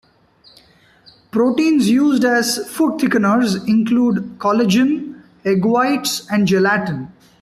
Proteins used as food thickeners include collagen, egg whites, and gelatin.